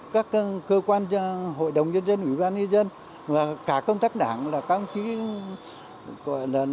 các cơ quan hội đồng nhân dân ủy ban nhân dân và cả công tác đảng là các ông chí gọi là